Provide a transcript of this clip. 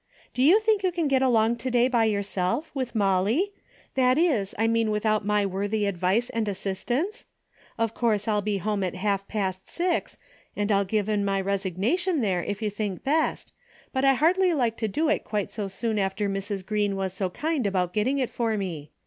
Do you think you can get along to day by yourself, with Molly? That is, I mean without my worthy advice and assistance ? Of course I'll be home at half past six, and I'll give in my resignation there if you think best, but I hardly like to do it quite so soon after Mrs. Green was so kind about getting it for me.